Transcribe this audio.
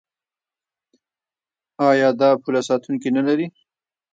آیا دا پوله ساتونکي نلري؟